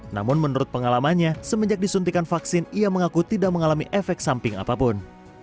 namun menurut pengalamannya semenjak disuntikan vaksin ia mengaku tidak mengalami efek samping apapun